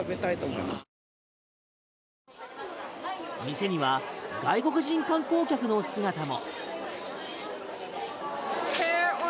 店には外国人観光客の姿も。